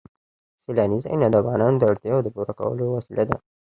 سیلانی ځایونه د افغانانو د اړتیاوو د پوره کولو وسیله ده.